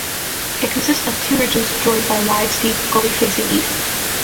It consists of two ridges joined by a wide steep gully facing east.